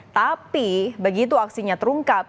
tapi begitu aksinya terungkap